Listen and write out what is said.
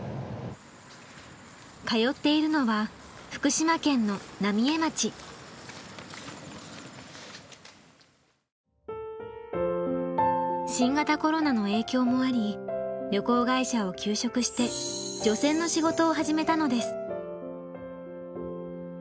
通っているのは新型コロナの影響もあり旅行会社を休職して除染の仕事を始めたのです。